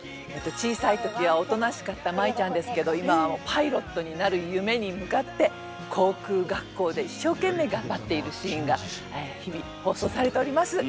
小さい時はおとなしかった舞ちゃんですけど今はパイロットになる夢に向かって航空学校で一生懸命頑張っているシーンが日々放送されております。